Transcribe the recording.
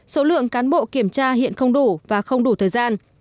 số lượng cán bộ kiểm tra hiện không đủ và không đủ thời gian